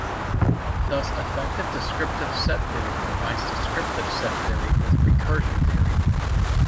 Thus effective descriptive set theory combines descriptive set theory with recursion theory.